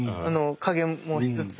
加減もしつつ。